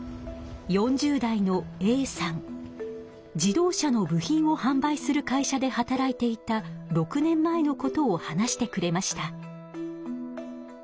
自動車の部品をはん売する会社で働いていた６年前のことを話してくれました。